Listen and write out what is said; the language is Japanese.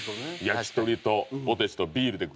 焼き鳥とポテチとビールで。